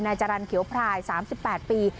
นายจารัญเขียวพลาย๓๘ปี